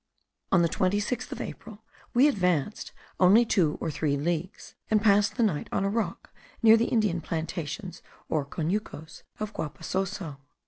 On the 26th of April we advanced only two or three leagues, and passed the night on a rock near the Indian plantations or conucos of Guapasoso.